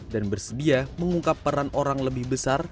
dan bersedia mengungkap peran orang lebih besar